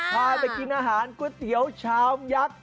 พาไปกินอาหารก๋วยเตี๋ยวชามยักษ์